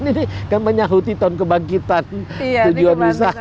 ini kan menyahuti tahun kebangkitan tujuan riza